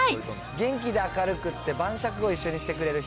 元気で明るくって晩酌を一緒にしてくれる人。